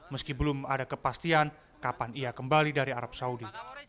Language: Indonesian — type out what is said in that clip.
meski belum ada kepastian kapan ia kembali dari arab saudi